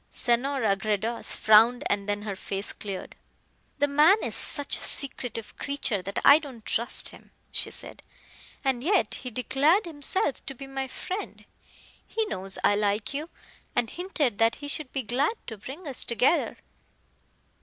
Senora Gredos frowned and then her face cleared. "The man is such a secretive creature that I don't trust him," she said; "and yet he declared himself to be my friend. He knows I like you, and hinted that he should be glad to bring us together."